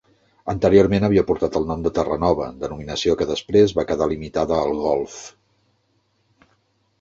Anteriorment havia portat el nom de Terranova, denominació que després va quedar limitada al golf.